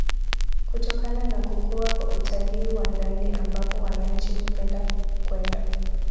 kutokana na kukua kwa utalii wa ndani ambapo wananchi hupenda kwenda